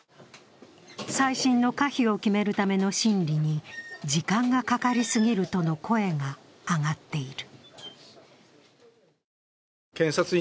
再審の可否を決めるための審理に時間がかかり過ぎるとの声が上がっている。